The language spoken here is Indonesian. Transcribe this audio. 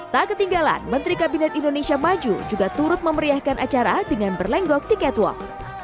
tak ketinggalan menteri kabinet indonesia maju juga turut memeriahkan acara dengan berlenggok di catwalk